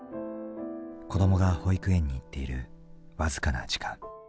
子どもが保育園に行っている僅かな時間。